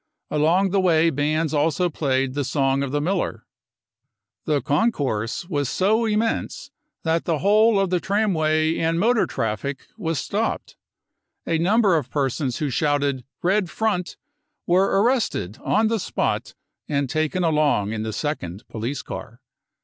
Along the way bands also played the song of the miller. The THE CONCENTRATION CAMPS 291 concourse was so immense that the whole of the tram way and motor traffic was stopped. A number of persons who shouted c Red Front !* were arrested on the spot and taken along in the second police car.